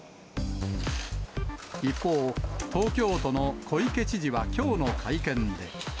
一方、東京都の小池知事はきょうの会見で。